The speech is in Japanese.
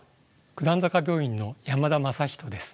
九段坂病院の山田正仁です。